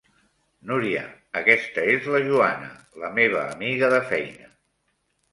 Núria, aquesta és la Joana, la meva amiga de feina.